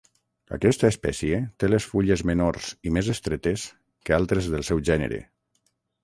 Aquesta espècie té les fulles menors i més estretes que altres del seu gènere.